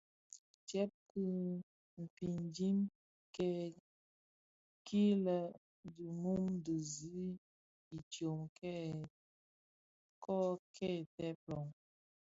Tsèb ki fiñdim kil è dhi mum dhi zi idyōm kō kèbtèè loň.